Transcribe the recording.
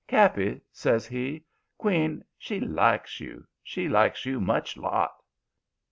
"'Cappy,' says he, 'queen, she likes you. She likes you much lot.'